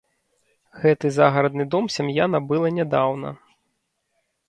Гэты загарадны дом сям'я набыла нядаўна.